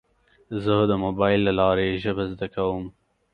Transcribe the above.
زه د موبایل له لارې ژبه زده کوم.